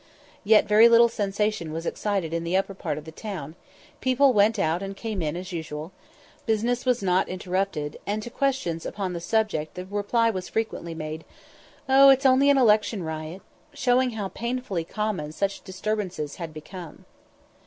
Yet very little sensation was excited in the upper part of the town; people went out and came in as usual; business was not interrupted; and to questions upon the subject the reply was frequently made, "Oh, it's only an election riot," showing how painfully common such disturbances had become.